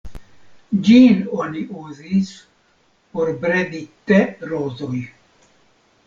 Ĝin oni uzis por bredi te-rozoj.